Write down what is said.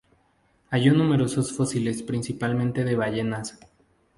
Halló numerosos fósiles principalmente de ballenas.